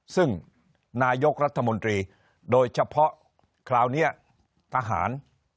ซึ่งนายกรัฐมนตรีโดยเฉพาะคราวนี้ทหาร